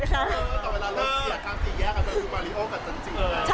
แต่เวลาเรายืดอีกคนสีแยกก็ดูมารี่โอ้กับจันจิจะ